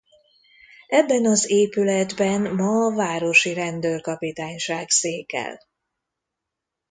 Ebben az épületben ma a városi rendőrkapitányság székel.